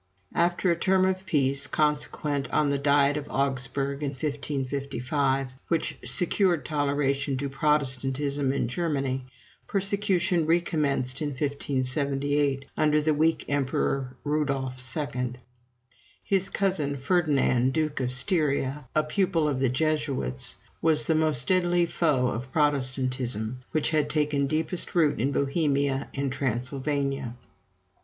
After a term of peace, consequent on the Diet of Augsburg in 1555, which secured toleration to Protestantism in Germany, persecution recommenced in 1578, under the weak Emperor Rudolph II. His cousin Ferdinand, Duke of Styria, a pupil of the Jesuits, was the most deadly foe of Protestantism, which had taken deepest root in Bohemia and Transylvania.